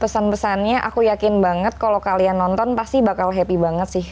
pesan pesannya aku yakin banget kalau kalian nonton pasti bakal happy banget sih